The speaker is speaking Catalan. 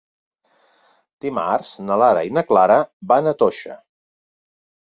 Dimarts na Lara i na Clara van a Toixa.